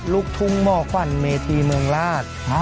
ลูกทุ่งหมอขวัญเมธีเมืองราช